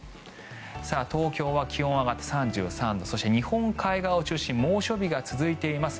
東京は気温が上がって３３度そして日本海側を中心に猛暑日が続いています。